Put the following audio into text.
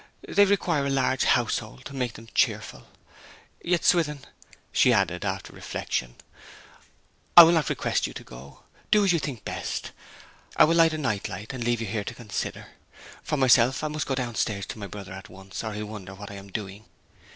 They require a large household to make them cheerful. ... Yet, Swithin,' she added, after reflection, 'I will not request you to go. Do as you think best. I will light a night light, and leave you here to consider. For myself, I must go downstairs to my brother at once, or he'll wonder what I am doing.'